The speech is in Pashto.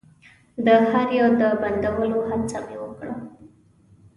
د هر يو د بندولو هڅه مې وکړه.